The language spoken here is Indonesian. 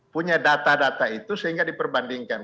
punya data data itu sehingga diperbandingkan